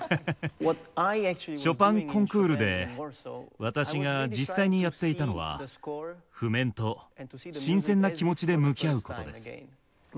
ショパンコンクールで私が実際にやっていたのは譜面と新鮮な気持ちで向き合う事です。